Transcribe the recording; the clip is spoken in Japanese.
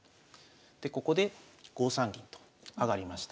でここで５三銀と上がりました。